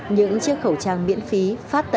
những chiếc khẩu trang miễn phí phát tận tay